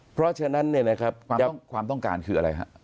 เพราะฉะนั้นเนี่ยนะครับความต้องการคืออะไรฮะ